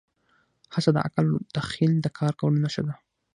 هڅه د عقل او تخیل د کار کولو نښه ده.